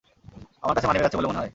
আমার কাছে মানিব্যাগ আছে বলে মনে হয়?